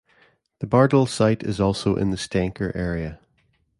The Bardal site is also in the Steinkjer area.